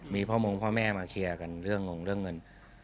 มีพ่อมงพ่อแม่มาเคลียร์กันเรื่องงงเรื่องเงิน